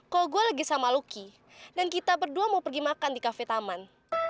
kalo gue lagi sama luki dan kita berdua mau pergi makan di cafe taman